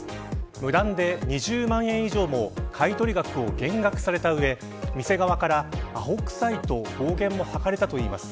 無断で、２０万円以上も買取額を減額された上店側からあほくさいと暴言も吐かれたといいます。